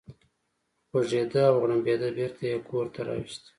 غوږېده او غړمبېده، بېرته یې کور ته راوست.